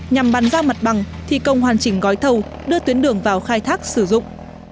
nhằm bàn giao mặt bằng thi công hoàn chỉnh gói thầu đưa tuyến đường vào khai thác sử dụng